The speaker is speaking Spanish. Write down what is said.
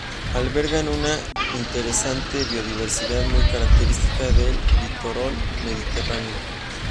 Albergan una interesante biodiversidad muy característica del litoral mediterráneo.